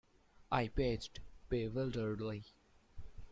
I bathed bewilderedly.